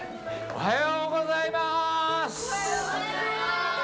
おはようございます。